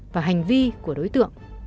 và hành vi của đối tượng